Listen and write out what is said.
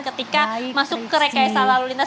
ketika masuk ke rekayasa lalu lintas